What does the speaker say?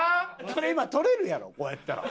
それ今取れるやろこうやったら。